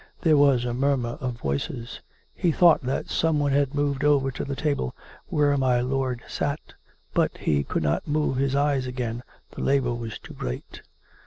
There was a murmur of voices. He thought that some one had moved over to the table where my lord sat; but he could not move his eyes again, the labour was too great.